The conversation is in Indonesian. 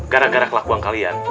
gara gara kelakuan kalian